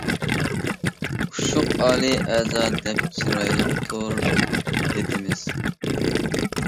ئۇششۇق ئالىي ئەزا دەپ، چىرايلىقتۇر ئېتىمىز.